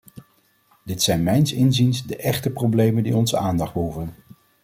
Dit zijn mijns inziens de echte problemen die onze aandacht behoeven.